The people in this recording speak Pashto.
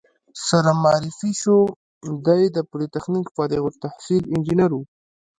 سره معرفي شوو، دی د پولتخنیک فارغ التحصیل انجینر و.